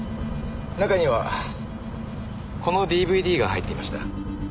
中にはこのＤＶＤが入っていました。